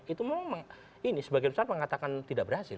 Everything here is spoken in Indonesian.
itu memang ini sebagian besar mengatakan tidak berhasil